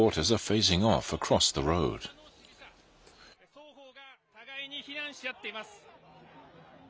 双方が互いに非難し合っています。